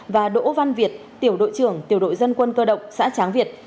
và đỗ văn việt tiểu đội trưởng tiểu đội dân quân cơ động xã tráng việt